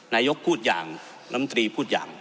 นายกพูดอย่างน้ำตรีพูดอย่าง